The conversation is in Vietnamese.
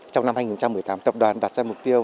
trong năm hai nghìn một mươi tám tập đoàn đặt ra mục tiêu